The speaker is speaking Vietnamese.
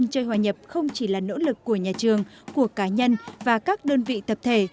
chơi hòa nhập không chỉ là nỗ lực của nhà trường của cá nhân và các đơn vị tập thể